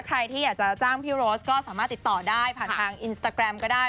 ใครที่อยากจะจ้างพี่โรสก็สามารถติดต่อได้ผ่านทางอินสตาแกรมก็ได้